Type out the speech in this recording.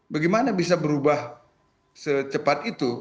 bagaimana bisa berubah secepat itu